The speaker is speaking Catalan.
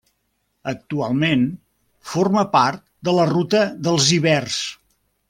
Actualment forma part de la Ruta dels Ibers.